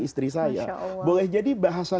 istri saya boleh jadi bahasa